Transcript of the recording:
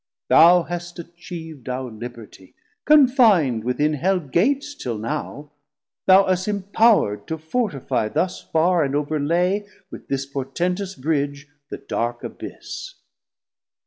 Thou hast atchiev'd our libertie, confin'd Within Hell Gates till now, thou us impow'rd To fortifie thus farr, and overlay 370 With this portentous Bridge the dark Abyss.